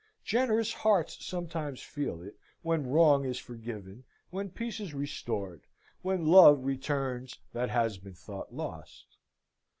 Generous hearts sometimes feel it, when Wrong is forgiven, when Peace is restored, when Love returns that had been thought lost.